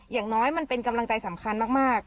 อย่างน้อยมันเป็นกำลังใจสำคัญมาก